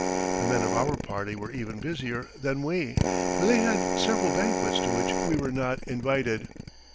The men of our party were even busier than we, for they had several banquets to which we were not invited.